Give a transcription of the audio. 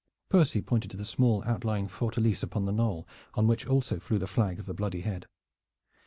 Percy pointed to the small outlying fortalice upon the knoll, on which also flew the flag of the bloody head.